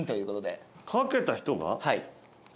はい。